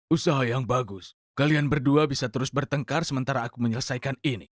usaha yang bagus kalian berdua bisa terus bertengkar sementara aku menyelesaikan ini